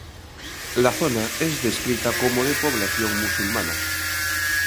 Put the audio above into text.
La zona es descrita como de población musulmana.